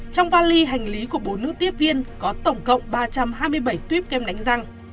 trong vali hành lý của bốn nữ tiếp viên có tổng cộng ba trăm hai mươi bảy tuyếp kem đánh răng